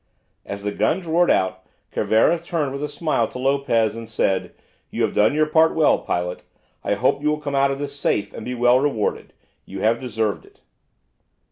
As the guns roared out Cervera turned with a smile to Lopez and said, "You have done your part well, pilot; I hope you will come out of this safe and be well rewarded. You have deserved it."